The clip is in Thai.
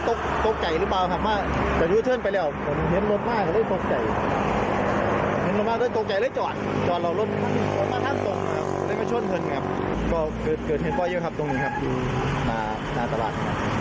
ตรงนี้ครับที่มาหน้าตลาด